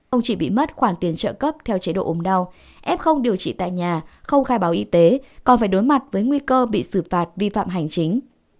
ông chỉ bị mất khoản tiền trợ cấp theo chế độ ốm đau f không điều trị tại nhà không khai báo y tế còn phải đối mặt với nguy cơ bị xử phạt vi phạm hành chính